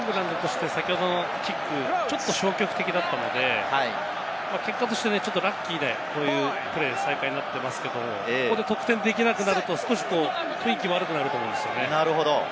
イングランドとしては、さっきのキックがちょっと消極的だったので、結果としてちょっとラッキーで、こういうプレー再開になってますけど、ここで得点できなくなると、少し雰囲気も悪くなると思うんですね。